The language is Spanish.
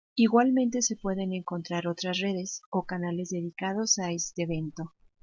Igualmente se pueden encontrar otras redes, o canales dedicados a este evento.